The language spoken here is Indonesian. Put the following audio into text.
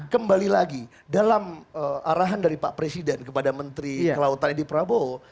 kembali lagi dalam arahan dari pak presiden kepada menteri kelautan edi prabowo